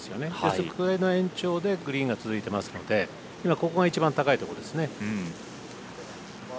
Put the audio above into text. その延長でグリーンが続いていますので今、ここが一番高いところですね。